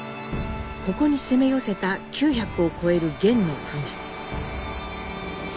ここに攻め寄せた９００を超える元の船。